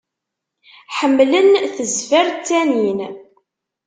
Ḥemmlen tezfer ttanin.